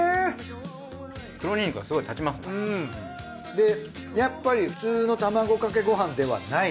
でやっぱり普通の卵かけご飯ではないね。